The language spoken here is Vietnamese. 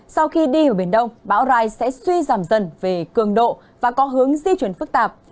sau khi đi ở biển đông bão rai sẽ suy giảm dần về cường độ và có hướng di chuyển phức tạp